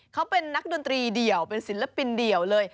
เขาเป็นนักดนตรีเดี่ยวเป็นศิลปินเดี่ยวเลย